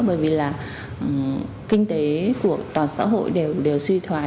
bởi vì là kinh tế của toàn xã hội đều suy thoái